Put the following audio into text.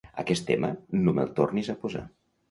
Aquest tema no me'l tornis a posar.